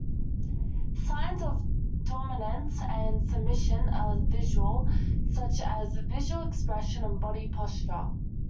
Signs of dominance and submission are visual, such as facial expression and body posture.